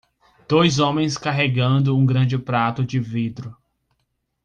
Dois homens carregando um grande prato de vidro.